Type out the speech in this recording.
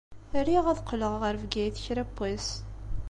Riɣ ad qqleɣ ɣer Bgayet kra n wass.